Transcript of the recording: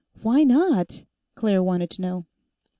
"Why not?" Claire wanted to know.